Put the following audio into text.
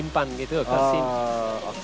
tapi sering salah menyimpan gitu